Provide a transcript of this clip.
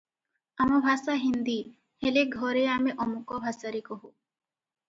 ଆମ ଭାଷା ହିନ୍ଦୀ, ହେଲେ ଘରେ ଆମେ ଅମୁକ ଭାଷାରେ କହୁ ।